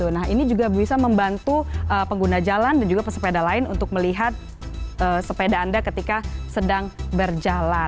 nah ini juga bisa membantu pengguna jalan dan juga pesepeda lain untuk melihat sepeda anda ketika sedang berjalan